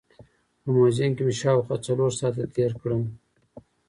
په موزیم کې مې شاوخوا څلور ساعت تېر کړل.